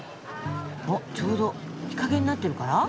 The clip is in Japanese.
あっちょうど日陰になってるから？